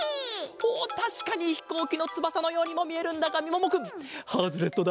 おったしかにひこうきのつばさのようにもみえるんだがみももくんハズレットだ。